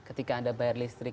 ketika anda bayar listrik